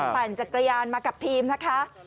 ปั่นจักรยานมากับทีมนะคะ